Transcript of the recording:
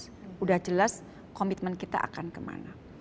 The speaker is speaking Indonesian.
sudah jelas komitmen kita akan kemana